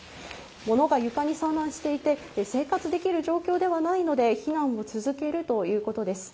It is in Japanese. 物が床に散乱していて、生活できる状況ではないので、避難を続けるということです。